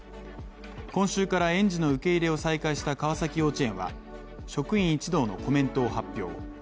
今週から園児の受け入れを再開した川崎幼稚園は職員一同のコメントを発表。